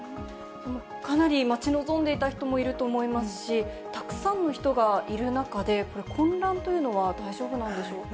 かなり待ち望んでいた人もいると思いますし、たくさんの人がいる中で、これ、混乱というのは大丈夫なんでしょうか。